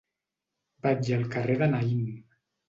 Vaig al carrer de Naïm.